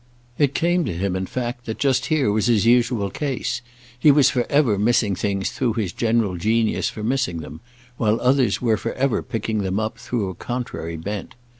It came to him in fact that just here was his usual case: he was for ever missing things through his general genius for missing them, while others were for ever picking them up through a contrary bent.